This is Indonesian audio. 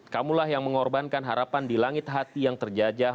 kamulah yang mengorbankan harapan di langit hati yang terjajah